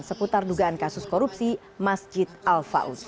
seputar dugaan kasus korupsi masjid al faus